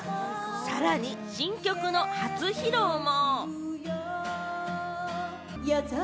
さらに新曲の初披露も。